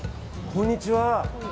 こんにちは。